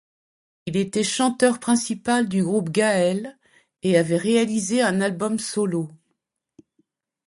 Il était chanteur principal du groupe Gaël et avait réalisé un album solo.